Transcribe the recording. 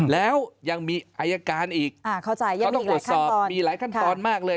แล้วยังมีอายการอีกต้องตรวจสอบมีหลายขั้นตอนมากเลย